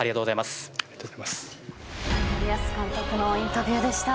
森保監督のインタビューでした。